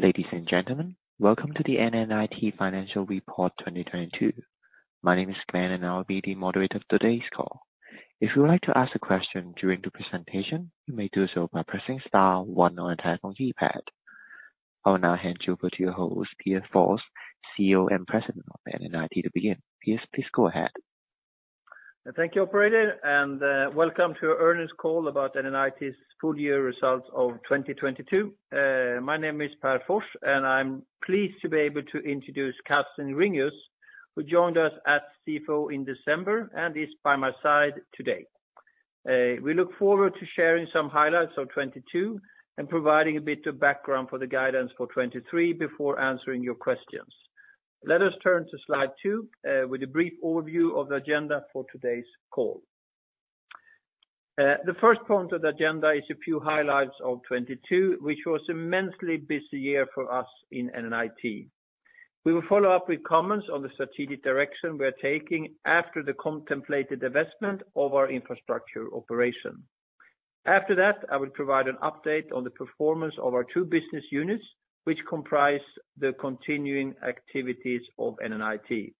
Ladies and gentlemen, welcome to the NNIT Financial Report 2022. My name is Glenn. I'll be the moderator of today's call. If you would like to ask a question during the presentation, you may do so by pressing star one on your telephone keypad. I will now hand you over to your host, Pär Fors, CEO and President of NNIT, to begin. Pär, please go ahead. Thank you, operator, welcome to earnings call about NNIT's full year results of 2022. My name is Pär Fors, I'm pleased to be able to introduce Carsten Ringius, who joined us as CFO in December and is by my side today. We look forward to sharing some highlights of 2022 and providing a bit of background for the guidance for 2023 before answering your questions. Let us turn to slide two, with a brief overview of the agenda for today's call. The first point of the agenda is a few highlights of 2022, which was immensely busy year for us in NNIT. We will follow up with comments on the strategic direction we are taking after the contemplated divestment of our infrastructure operation. I will provide an update on the performance of our 2 business units, which comprise the continuing activities of NNIT.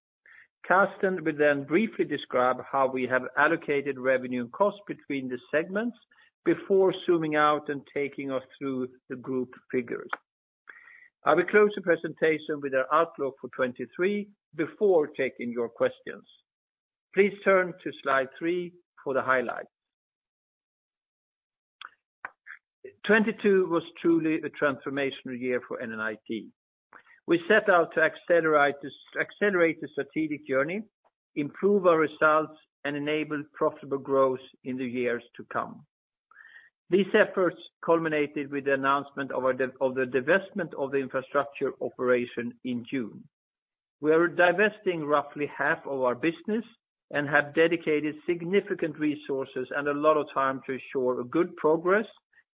Carsten will briefly describe how we have allocated revenue and cost between the segments before zooming out and taking us through the group figures. I will close the presentation with our outlook for 23 before taking your questions. Please turn to slide 3 for the highlights. 22 was truly a transformational year for NNIT. We set out to accelerate the strategic journey, improve our results, and enable profitable growth in the years to come. These efforts culminated with the announcement of the divestment of the infrastructure operation in June. We are divesting roughly half of our business and have dedicated significant resources and a lot of time to ensure a good progress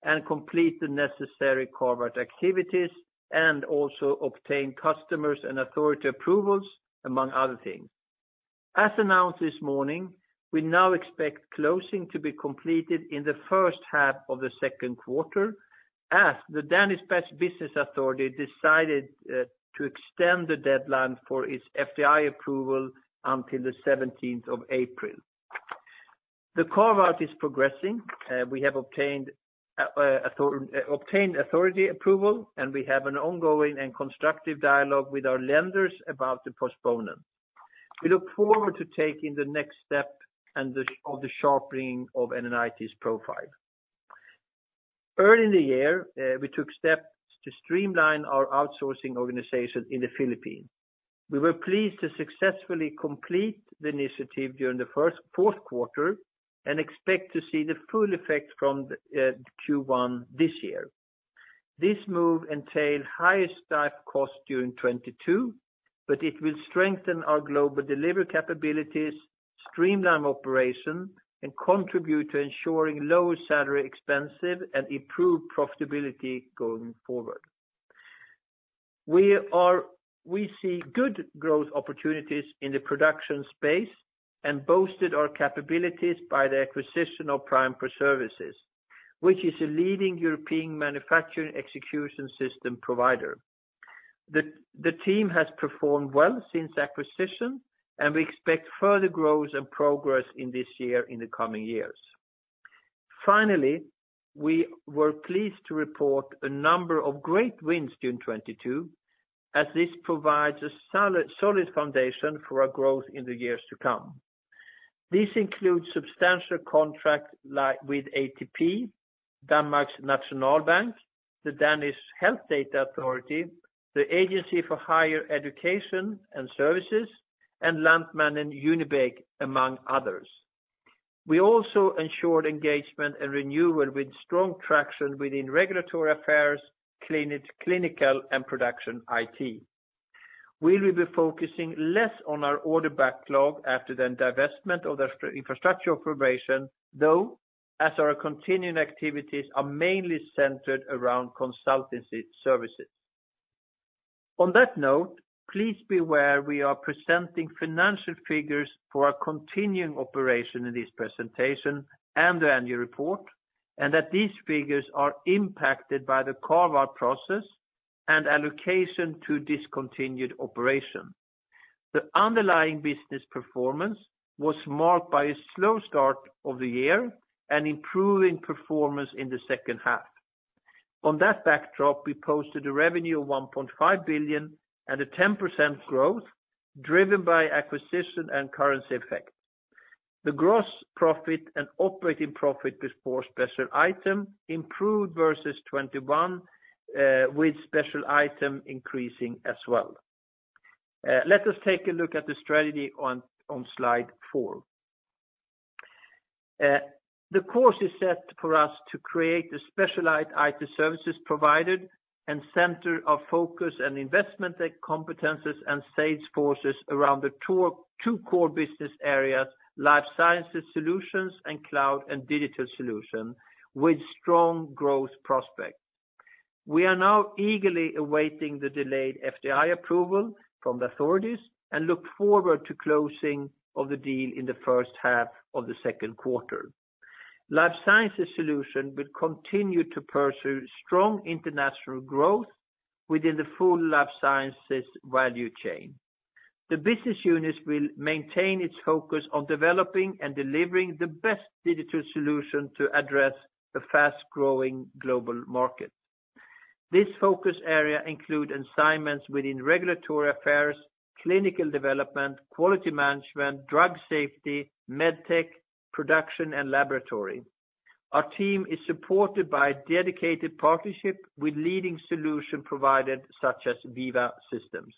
and complete the necessary corporate activities, and also obtain customers and authority approvals, among other things. As announced this morning, we now expect closing to be completed in the first half of the second quarter as the Danish Business Authority decided to extend the deadline for its FDI approval until the 17th of April. The carve-out is progressing. We have obtained authority approval, and we have an ongoing and constructive dialogue with our lenders about the postponement. We look forward to taking the next step and the sharpening of NNIT's profile. Early in the year, we took steps to streamline our outsourcing organization in the Philippines. We were pleased to successfully complete the initiative during the fourth quarter and expect to see the full effect from Q1 this year. This move entailed higher staff costs during 2022, it will strengthen our global delivery capabilities, streamline operation, and contribute to ensuring lower salary expenses and improved profitability going forward. We see good growth opportunities in the production space and boosted our capabilities by the acquisition of prime4services, which is a leading European Manufacturing Execution System provider. The team has performed well since acquisition, we expect further growth and progress in this year in the coming years. Finally, we were pleased to report a number of great wins during 2022 as this provides a solid foundation for our growth in the years to come. This includes substantial contracts with ATP, Danmarks Nationalbank, the Danish Health Data Authority, the Agency for Higher Education and Science, and Lantmännen Unibake, among others. We also ensured engagement and renewal with strong traction within regulatory affairs, clinical and production IT. We will be focusing less on our order backlog after the divestment of the infrastructure operation, though, as our continuing activities are mainly centered around consultancy services. On that note, please be aware we are presenting financial figures for our continuing operation in this presentation and the annual report, and that these figures are impacted by the carve-out process and allocation to discontinued operation. The underlying business performance was marked by a slow start of the year and improving performance in the second half. On that backdrop, we posted a revenue of 1.5 billion and a 10% growth driven by acquisition and currency effect. The gross profit and operating profit before special item improved versus 21, with special item increasing as well. Let us take a look at the strategy on slide 4. The course is set for us to create a specialized IT services provider and center our focus and investment and competencies and sales forces around the two core business areas, Life Sciences Solutions and Cloud & Digital Solutions with strong growth prospects. We are now eagerly awaiting the delayed FDI approval from the authorities and look forward to closing of the deal in the 1st half of the 2nd quarter. Life Sciences Solution will continue to pursue strong international growth within the full Life Sciences value chain. The business units will maintain its focus on developing and delivering the best digital solution to address the fast-growing global market. This focus area include assignments within regulatory affairs, clinical development, quality management, drug safety, medtech, production, and laboratory. Our team is supported by a dedicated partnership with leading solution providers such as Veeva Systems.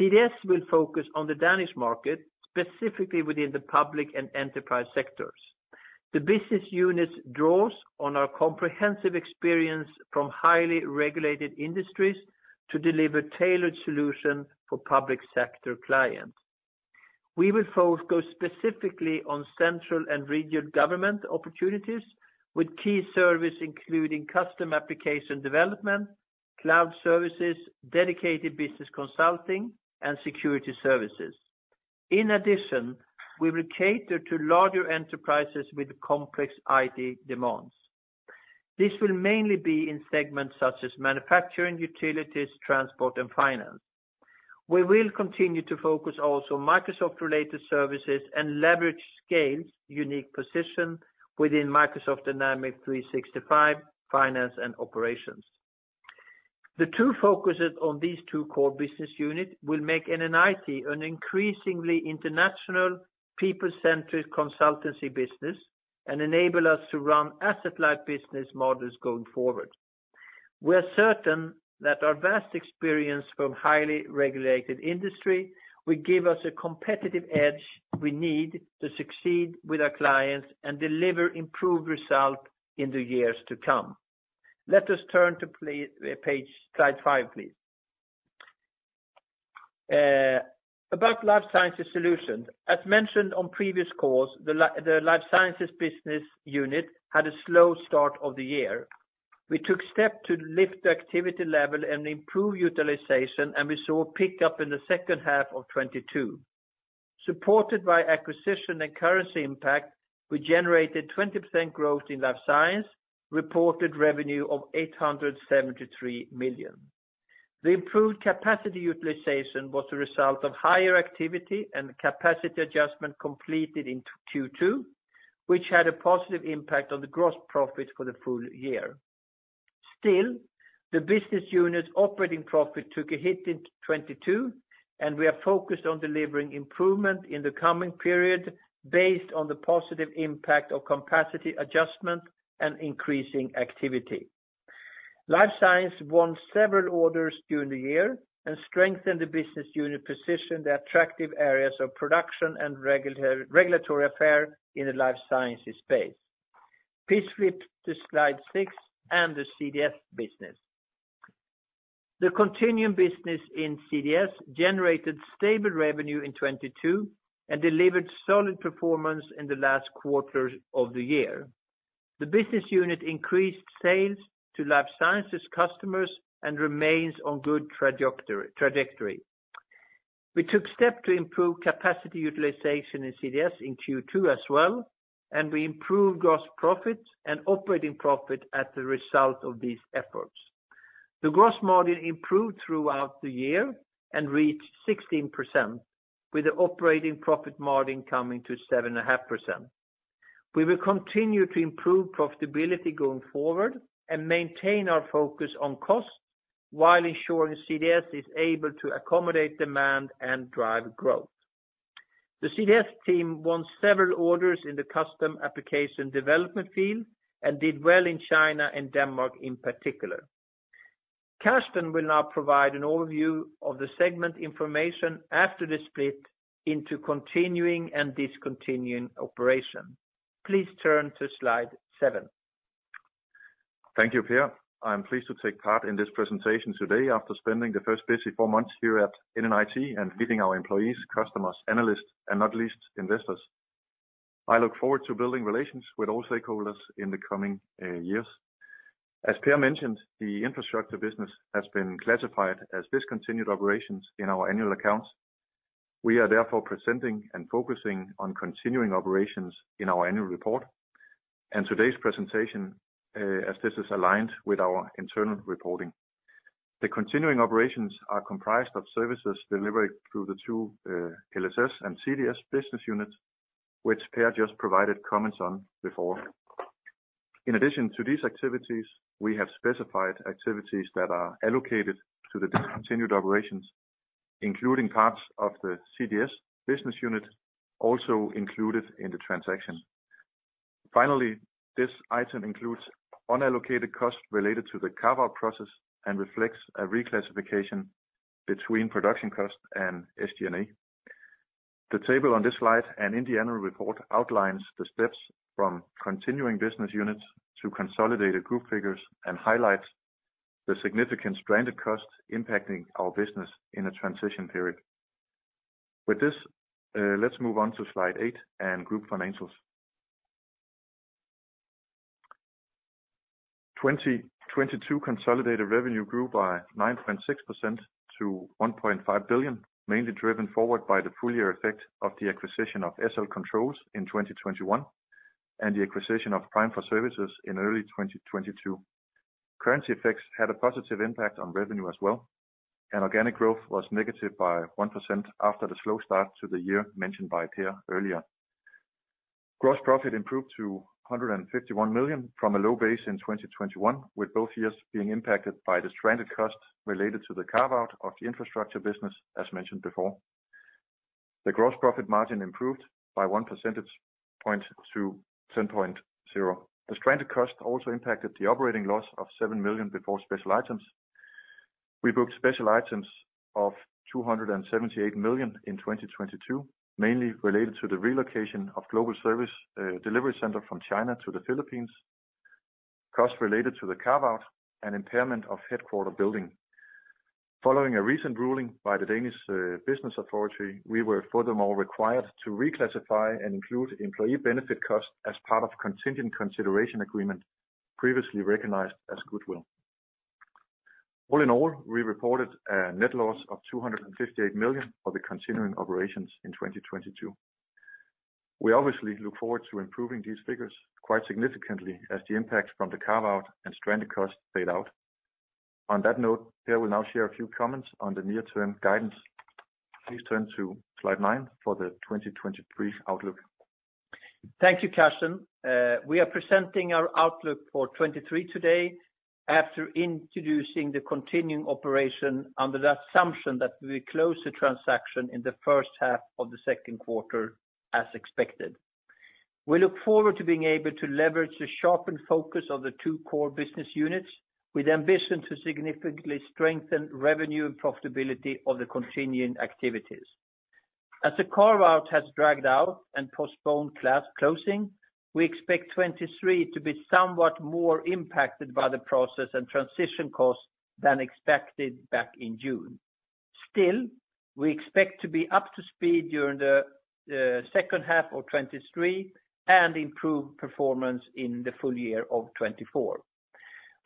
CDS will focus on the Danish market, specifically within the public and enterprise sectors. The business units draws on our comprehensive experience from highly regulated industries to deliver tailored solution for public sector clients. We will focus specifically on central and regional government opportunities with key service, including custom application development, cloud services, dedicated business consulting, and security services. In addition, we will cater to larger enterprises with complex IT demands. This will mainly be in segments such as manufacturing, utilities, transport, and finance. We will continue to focus also on Microsoft-related services and leverage scales unique position within Microsoft Dynamics 365 Finance and Operations. The two focuses on these two core business unit will make NNIT an increasingly international people-centric consultancy business and enable us to run asset-like business models going forward. We're certain that our vast experience from highly regulated industry will give us a competitive edge we need to succeed with our clients and deliver improved results in the years to come. Let us turn to page, slide five, please. About Life Sciences solutions. As mentioned on previous course, the Life Sciences business unit had a slow start of the year. We took steps to lift the activity level and improve utilization, and we saw a pickup in the second half of 2022. Supported by acquisition and currency impact, we generated 20% growth in Life Science, reported revenue of 873 million. The improved capacity utilization was a result of higher activity and capacity adjustment completed in Q2, which had a positive impact on the gross profits for the full year. The business unit operating profit took a hit in 2022, and we are focused on delivering improvement in the coming period based on the positive impact of capacity adjustment and increasing activity. Life Science won several orders during the year and strengthened the business unit position, the attractive areas of production and regulatory affairs in the Life Sciences space. Please flip to slide 6 and the CDS business. The continuing business in CDS generated stable revenue in 2022 and delivered solid performance in the last quarters of the year. The business unit increased sales to Life Sciences customers and remains on good trajectory. We took steps to improve capacity utilization in CDS in Q2 as well. We improved gross profits and operating profit as a result of these efforts. The gross margin improved throughout the year and reached 16%, with the operating profit margin coming to 7.5%. We will continue to improve profitability going forward and maintain our focus on costs while ensuring CDS is able to accommodate demand and drive growth. The CDS team won several orders in the custom application development field and did well in China and Denmark in particular. Carsten will now provide an overview of the segment information after the split into continuing and discontinuing operation. Please turn to slide 7. Thank you, Pär. I'm pleased to take part in this presentation today after spending the first busy four months here at NNIT and meeting our employees, customers, analysts, and not least investors. I look forward to building relations with all stakeholders in the coming years. As Pär mentioned, the infrastructure business has been classified as discontinued operations in our annual accounts. We are therefore presenting and focusing on continuing operations in our annual report and today's presentation as this is aligned with our internal reporting. The continuing operations are comprised of services delivered through the two LSS and CDS business units, which Pär just provided comments on before. In addition to these activities, we have specified activities that are allocated to the discontinued operations, including parts of the CDS business unit also included in the transaction. Finally, this item includes unallocated costs related to the carve-out process and reflects a reclassification between production costs and SG&A. The table on this slide and in the annual report outlines the steps from continuing business units to consolidated group figures and highlights the significant stranded costs impacting our business in a transition period. With this, let's move on to slide 8 and group financials. 2022 consolidated revenue grew by 9.6% to 1.5 billion, mainly driven forward by the full year effect of the acquisition of SL Controls in 2021 and the acquisition of prime4services in early 2022. Currency effects had a positive impact on revenue as well, and organic growth was negative by 1% after the slow start to the year mentioned by Pär earlier. Gross profit improved to 151 million from a low base in 2021, with both years being impacted by the stranded costs related to the carve-out of the infrastructure business, as mentioned before. The gross profit margin improved by 1 percentage point to 10.0%. The stranded cost also impacted the operating loss of 7 million before special items. We booked special items of 278 million in 2022, mainly related to the relocation of global service delivery center from China to the Philippines, costs related to the carve-out and impairment of headquarter building. Following a recent ruling by the Danish Business Authority, we were furthermore required to reclassify and include employee benefit costs as part of contingent consideration agreement previously recognized as goodwill. All in all, we reported a net loss of 258 million for the continuing operations in 2022. We obviously look forward to improving these figures quite significantly as the impacts from the carve-out and stranded costs fade out. On that note, Pär will now share a few comments on the near-term guidance. Please turn to slide 9 for the 2023 outlook. Thank you, Carsten. We are presenting our outlook for 2023 today after introducing the continuing operation under the assumption that we close the transaction in the first half of the second quarter as expected. We look forward to being able to leverage the sharpened focus of the two core business units with ambition to significantly strengthen revenue and profitability of the continuing activities. As the carve-out has dragged out and postponed class closing, we expect 2023 to be somewhat more impacted by the process and transition costs than expected back in June. We expect to be up to speed during the second half of 2023 and improve performance in the full year of 2024.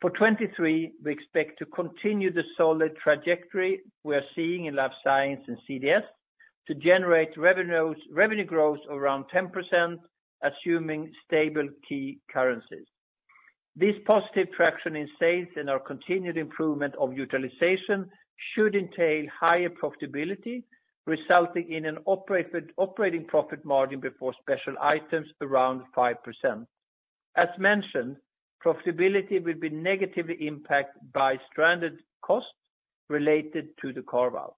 For 2023, we expect to continue the solid trajectory we are seeing in Life Science and CDS to generate revenues, revenue growth of around 10%, assuming stable key currencies. This positive traction in sales and our continued improvement of utilization should entail higher profitability, resulting in an operating profit margin before special items around 5%. As mentioned, profitability will be negatively impacted by stranded costs related to the carve-out.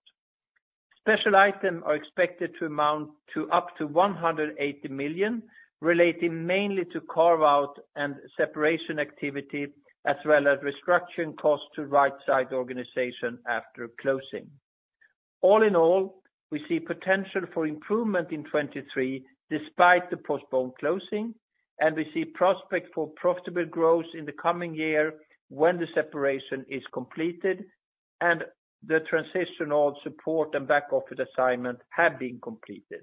Special item are expected to amount to up to 180 million, relating mainly to carve-out and separation activity as well as restructuring costs to right-side organization after closing. All in all, we see potential for improvement in 2023 despite the postponed closing, and we see prospect for profitable growth in the coming year when the separation is completed and the transitional support and back office assignment have been completed.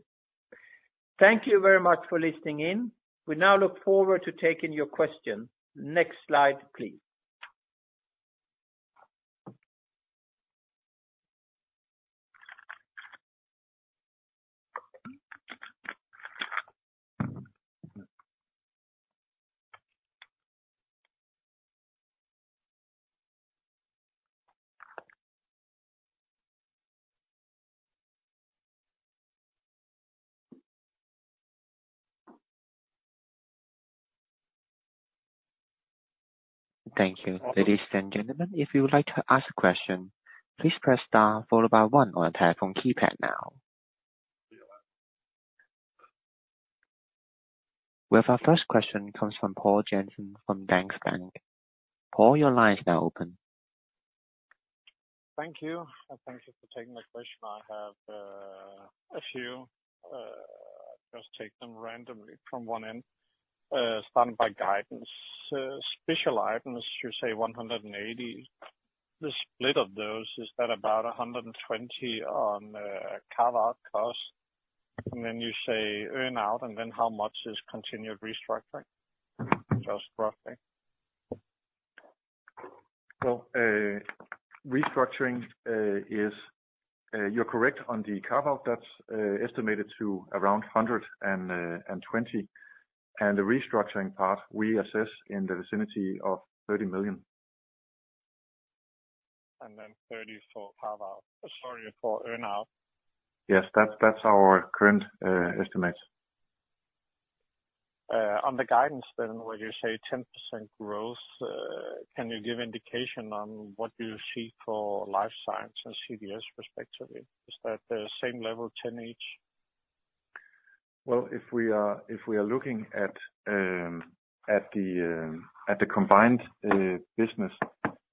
Thank you very much for listening in. We now look forward to taking your question. Next slide, please. Thank you. Ladies and gentlemen, if you would like to ask a question, please press star followed by 1 on your telephone keypad now. We have our first question comes from Poul Jessen from Danske Bank. Poul, your line is now open. Thank you. Thank you for taking the question. I have a few. I'll just take them randomly from one end. Starting by guidance. Special items, you say 180. The split of those, is that about 120 on carve-out costs? Then you say earn-out, and then how much is continued restructuring, just roughly? Restructuring, you're correct on the carve-out. That's estimated to around DKK 120. The restructuring part we assess in the vicinity of 30 million. 30 for carve-out. Sorry, for earn-out. Yes. That's our current estimate. On the guidance, where you say 10% growth, can you give indication on what you see for Life Science and CDS respectively? Is that the same level, 10 each? Well, if we are looking at the combined business,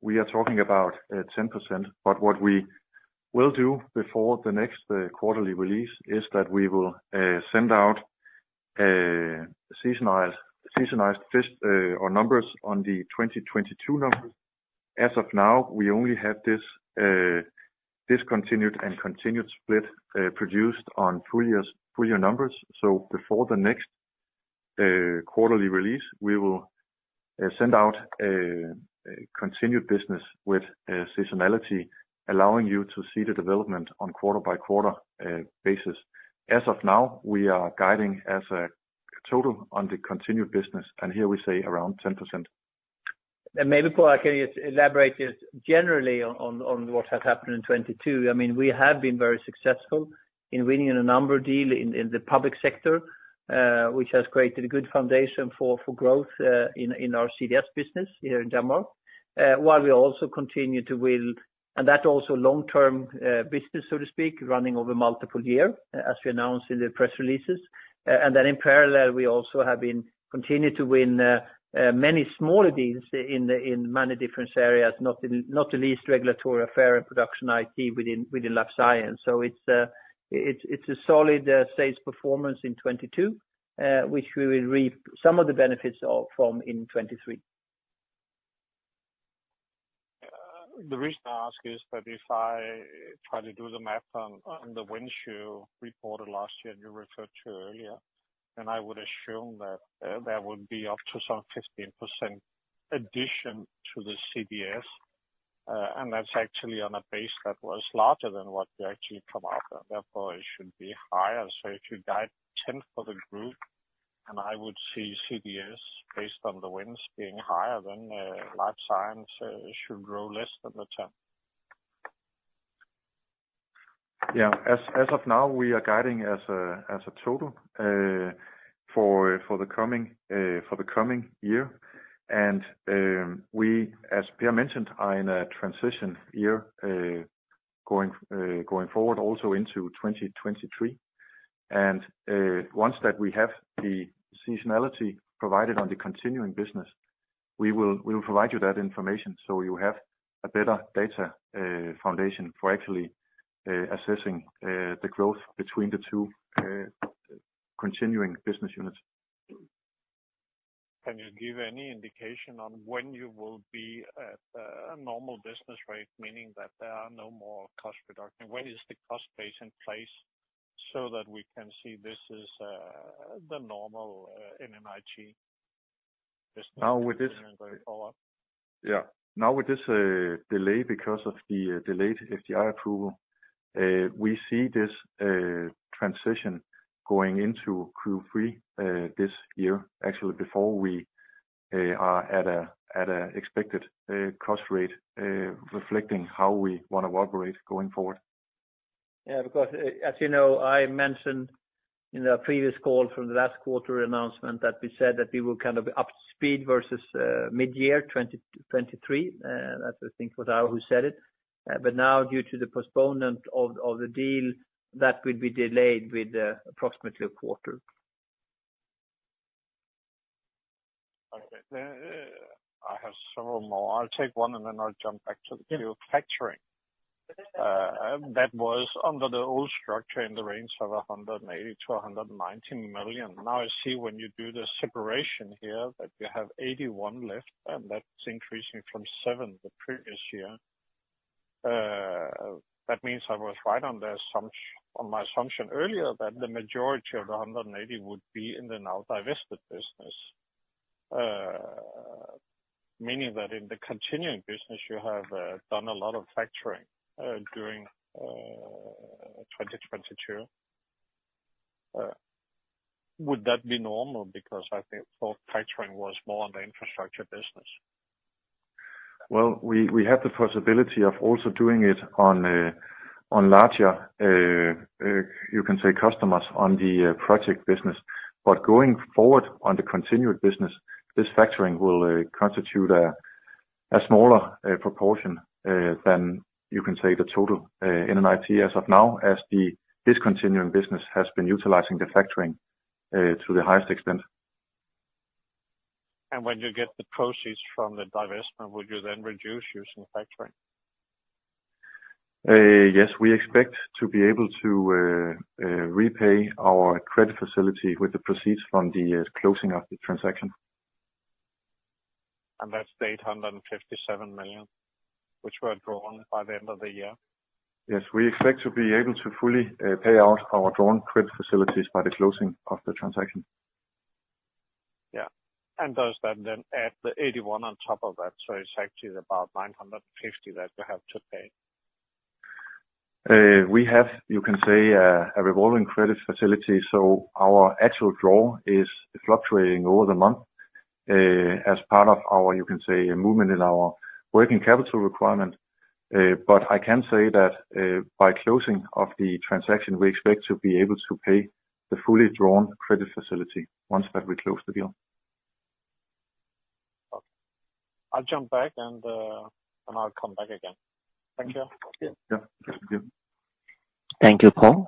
we are talking about 10%. What we will do before the next quarterly release is that we will send out seasonalized or numbers on the 2022 numbers. As of now, we only have this discontinued and continued split produced on full year numbers. Before the next quarterly release, we will send out a continued business with a seasonality, allowing you to see the development on quarter by quarter basis. As of now, we are guiding as a total on the continued business, and here we say around 10%. Maybe, Poul, I can elaborate just generally on what has happened in 22. I mean, we have been very successful in winning in a number of deal in the public sector, which has created a good foundation for growth, in our CDS business here in Denmark. While we also continue to win and that also long-term, business, so to speak, running over multiple year, as we announced in the press releases. In parallel, we also have been continued to win many smaller deals in many different areas, not the least regulatory affair in production IT within Life Science. It's, it's a solid sales performance in 22, which we will reap some of the benefits of from in 23. The reason I ask is that if I try to do the math on the win share reported last year, and you referred to earlier, I would assume that that would be up to some 15% addition to the CBS. That's actually on a base that was larger than what you actually come out, and therefore it should be higher. If you guide 10% for the group, and I would see CBS based on the wins being higher than Life Science, it should grow less than the 10%. Yeah. As of now, we are guiding as a total for the coming year. We, as Pär mentioned, are in a transition year going forward also into 2023. Once that we have the seasonality provided on the continuing business, we will provide you that information, so you have a better data foundation for actually assessing the growth between the two continuing business units. Can you give any indication on when you will be at, a normal business rate? Meaning that there are no more cost reduction. When is the cost base in place so that we can see this is, the normal, NNIT business- Now with this- going forward. Now with this delay because of the delayed FDI approval, we see this transition going into Q3 this year, actually, before we are at a expected cost rate, reflecting how we wanna operate going forward. Because as you know, I mentioned in a previous call from the last quarter announcement that we said that we will kind of up speed versus mid-year 2023. That I think it was I who said it. Now due to the postponement of the deal, that will be delayed with approximately a quarter. Okay. I have several more. I'll take one, and then I'll jump back to the manufacturing. That was under the old structure in the range of 180 million-119 million. I see when you do the separation here, that you have 81 left, and that's increasing from 7 the previous year. That means I was right on my assumption earlier that the majority of 180 would be in the now divested business. Meaning that in the continuing business you have done a lot of factoring during 2022. Would that be normal? I think for factoring was more on the infrastructure business. We have the possibility of also doing it on larger, you can say customers on the project business. Going forward on the continued business, this factoring will constitute a smaller proportion than you can say the total MMIG as of now, as the discontinuing business has been utilizing the factoring to the highest extent. When you get the proceeds from the divestment, would you then reduce using factoring? Yes. We expect to be able to repay our credit facility with the proceeds from the closing of the transaction. That's the 857 million, which were drawn by the end of the year? Yes. We expect to be able to fully, pay out our drawn credit facilities by the closing of the transaction. Yeah. Does that then add the 81 on top of that? It's actually about 950 that you have to pay. We have, you can say, a revolving credit facility. Our actual draw is fluctuating over the month, as part of our, you can say, movement in our working capital requirement. I can say that, by closing of the transaction, we expect to be able to pay the fully drawn credit facility once that we close the deal. Okay. I'll jump back and I'll come back again. Thank you. Yeah. Thank you. Thank you, Poul.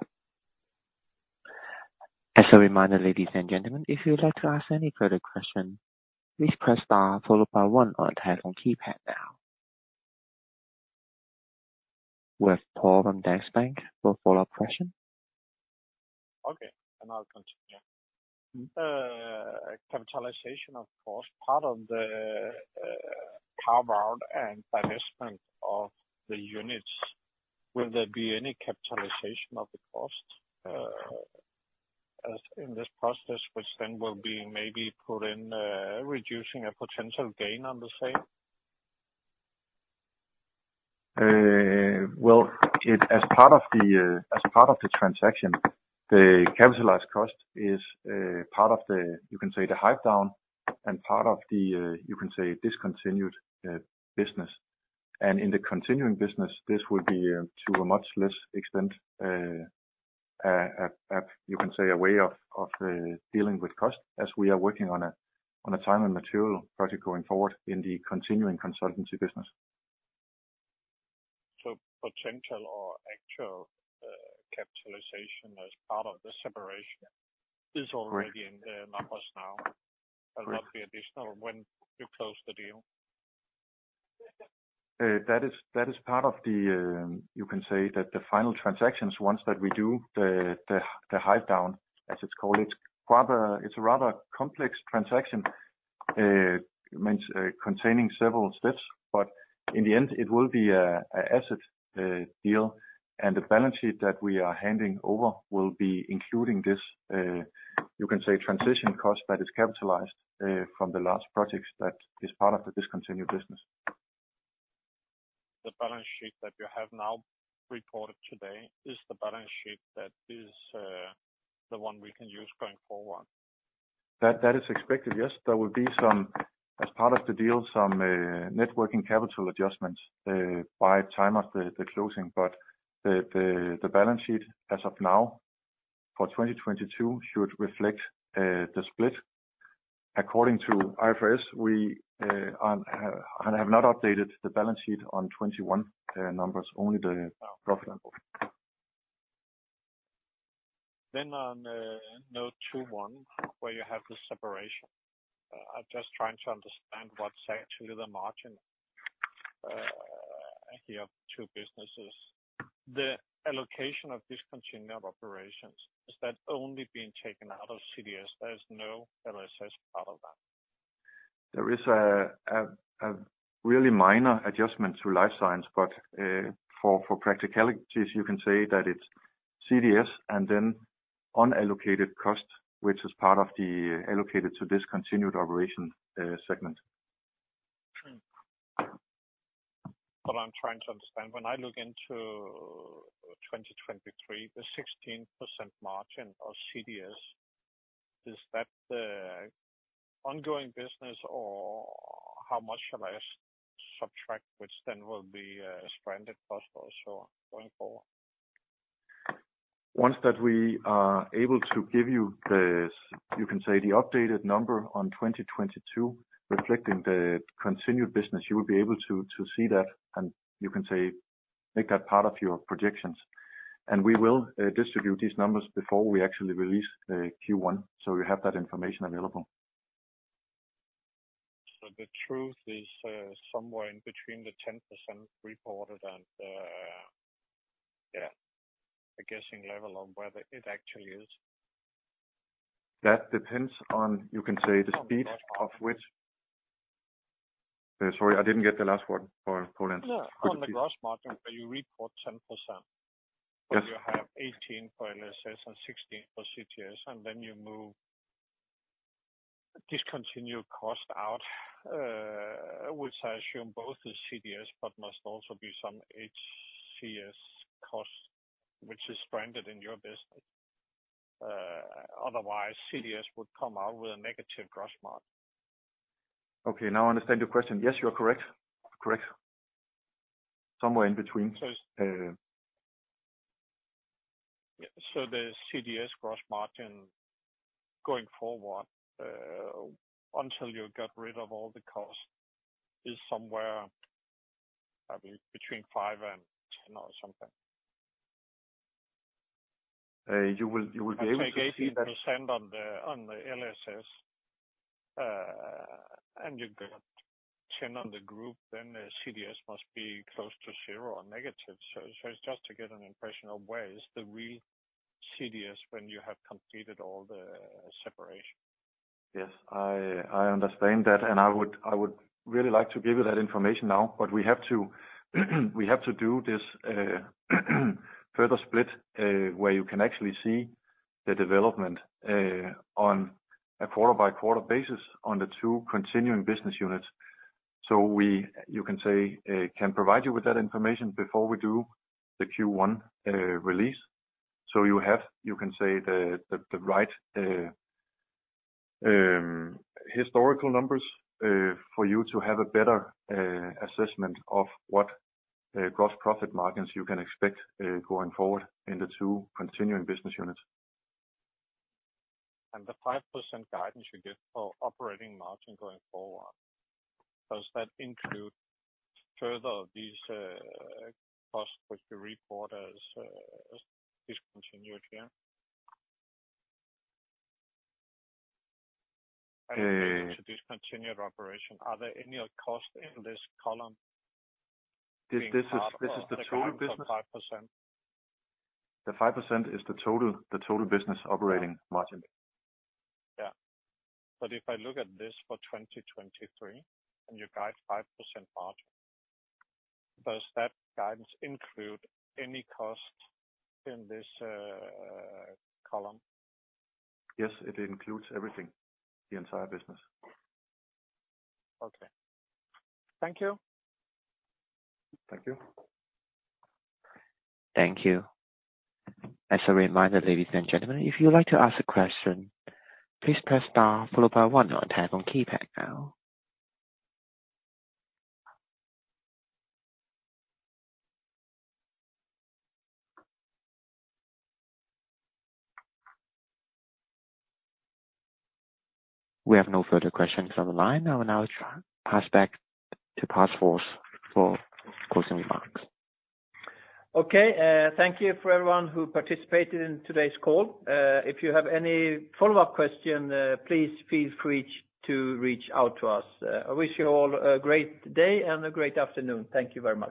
As a reminder, ladies and gentlemen, if you would like to ask any further question, please press star followed by one on telephone keypad now. We have Poul from Danske Bank for follow-up question. Okay. I'll continue. capitalization, of course, part of the carve-out and divestment of the units. Will there be any capitalization of the cost, as in this process, which then will be maybe put in reducing a potential gain on the sale? As part of the transaction, the capitalized cost is part of the, you can say, the hive down and part of the, you can say discontinued, business. In the continuing business, this will be to a much less extent, a way of dealing with cost as we are working on a time and material project going forward in the continuing consultancy business. Potential or actual, capitalization as part of the separation is already in the numbers now and not the additional when you close the deal? That is part of the, you can say that the final transactions, once that we do the hive down, as it's called. It's quite, it's a rather complex transaction, means containing several steps, but in the end, it will be a asset deal. The balance sheet that we are handing over will be including this, you can say transition cost that is capitalized from the last projects that is part of the discontinued business. The balance sheet that you have now reported today is the balance sheet that is the one we can use going forward. That is expected, yes. There will be some, as part of the deal, some networking capital adjustments by time of the closing. The balance sheet as of now for 2022 should reflect the split. According to IFRS, we have not updated the balance sheet on 21 numbers, only the profit number. On note 21 where you have the separation, I'm just trying to understand what's actually the margin here of 2 businesses. The allocation of discontinued operations, is that only being taken out of CDS? There is no LSS part of that. There is a really minor adjustment to Life Science, but for practicalities, you can say that it's CDS and then unallocated cost, which is part of the allocated to discontinued operation, segment. True. I'm trying to understand. When I look into 2023, the 16% margin of CDS, is that the ongoing business or how much shall I subtract, which then will be stranded cost also going forward? Once that we are able to give you the, you can say the updated number on 2022 reflecting the continued business, you will be able to see that and, you can say, make that part of your projections. We will distribute these numbers before we actually release the Q1, so you have that information available. The truth is, somewhere in between the 10% reported and the, yeah, the guessing level of where it actually is. That depends on, you can say the speed of which... Sorry, I didn't get the last one. Poul- No. On the gross margin where you report 10%. Yes. Where you have 18 for LSS and 16 for CDS, and then you move discontinued cost out, which I assume both is CDS, but must also be some HCS cost which is stranded in your business. CDS would come out with a negative gross margin. Okay. Now I understand your question. Yes, you are correct. Correct. Somewhere in between. So- Uh. The CDS gross margin going forward, until you got rid of all the cost is somewhere, I mean, between 5% and 10% or something. You will be able to see. Take 80% on the LSS, and you got 10% on the group, then the CDS must be close to 0 or negative. It's just to get an impression of where is the real CDS when you have completed all the separation. Yes. I understand that. I would really like to give you that information now, but we have to, we have to do this further split where you can actually see the development on a quarter-by-quarter basis on the two continuing business units. We, you can say, can provide you with that information before we do the Qrelease. You have, you can say, the right historical numbers for you to have a better assessment of what gross profit margins you can expect going forward in the two continuing business units. The 5% guidance you give for operating margin going forward, does that include further these, costs which you report as discontinued here? Uh- To discontinued operation. Are there any cost in this column? This is the total business. being part of the guide for 5%? The 5% is the total, the total business operating margin. Yeah. If I look at this for 2023 and you guide 5% margin, does that guidance include any cost in this column? Yes. It includes everything, the entire business. Okay. Thank you. Thank you. Thank you. As a reminder, ladies and gentlemen, if you would like to ask a question, please press star followed by one on ten on keypad now. We have no further questions on the line. I will now pass back to Pär Fors for closing remarks. Okay. Thank you for everyone who participated in today's call. If you have any follow-up question, please feel free to reach out to us. I wish you all a great day and a great afternoon. Thank you very much.